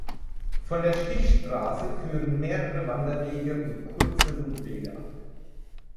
Von der Stichstraße führen mehrere Wanderwege und kurze Rundwege ab.